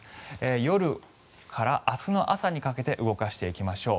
夜から明日の朝にかけて動かしていきましょう。